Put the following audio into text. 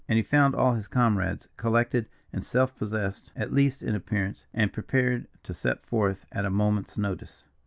And he found all his comrades collected and self possessed, at least in appearance, and prepared to set forth at a moment's notice.